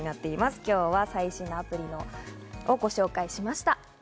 今日は最新アプリをご紹介しました。